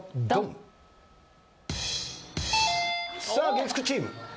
月９チーム。